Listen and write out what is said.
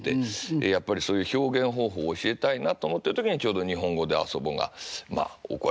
やっぱりそういう表現方法を教えたいなと思ってる時にちょうど「にほんごであそぼ」がまあお声がけいただいてね。